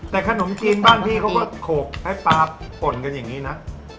แต่ขนมจีนบ้านพี่เขาก็โขกให้ปลาป่นกันอย่างนี้นะ